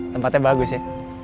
tempatnya bagus ya